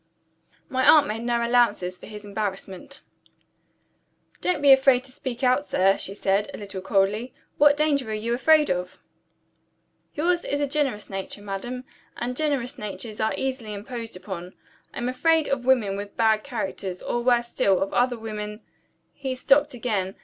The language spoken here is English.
My aunt made no allowances for his embarrassment. "Don't be afraid to speak out, sir," she said, a little coldly. "What danger are you afraid of?" "Yours is a generous nature, madam: and generous natures are easily imposed upon. I am afraid of women with bad characters, or, worse still, of other women " He stopped again.